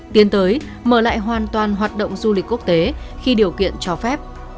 tiến tới mở lại hoàn toàn hoạt động du lịch quốc tế khi điều kiện cho phép